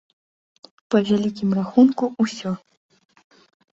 Па вялікім рахунку, усё.